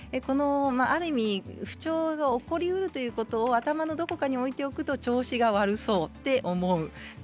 ある意味不調が起こりうるということを頭のどこかに置いておくと調子が悪そうと思う。